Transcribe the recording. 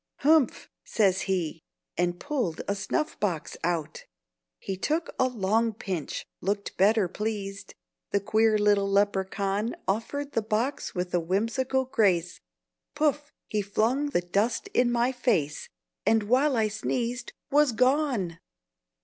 "Humph!" says he, And pull'd a snuff box out. He took a long pinch, look'd better pleased, The queer little Lepracaun; Offer'd the box with a whimsical grace, Pouf! he flung the dust in my face, And, while I sneezed, Was gone!